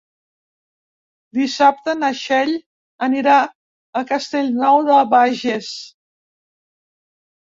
Dissabte na Txell anirà a Castellnou de Bages.